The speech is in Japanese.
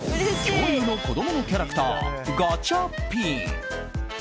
恐竜の子供のキャラクターガチャピン。